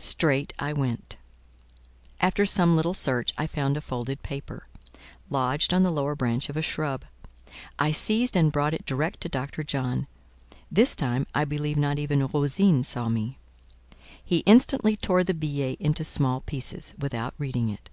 Straight I went. After some little search, I found a folded paper, lodged on the lower branch of a shrub; I seized and brought it direct to Dr. John. This time, I believe not even Rosine saw me. He instantly tore the billet into small pieces, without reading it.